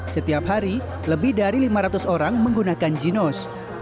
setiap hari lebih dari lima ratus orang menggunakan ginos